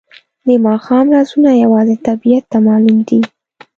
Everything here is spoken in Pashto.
د ماښام رازونه یوازې طبیعت ته معلوم دي.